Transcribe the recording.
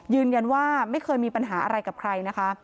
ยืนยันว่าไม่เคยมีปัญหาอะไรกับใครนะคะ